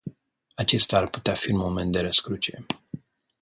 Acesta ar putea fi un moment de răscruce.